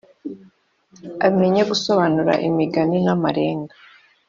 Amenye gusobanura imigani n amarenga